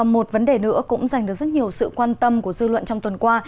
một vấn đề nữa cũng giành được rất nhiều sự quan tâm của dư luận trong tuần qua